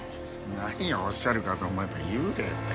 何をおっしゃるかと思えば幽霊ってハハッ。